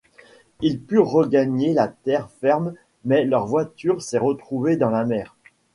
Ils purent regagner la terre ferme mais leur voiture s'est retrouvée dans la mer.